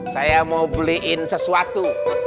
saya mau beliin sesuatu